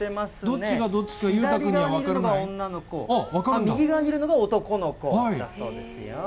どっちがどっちか、左側にいるのが女の子、右側にいるのが男の子だそうですよ。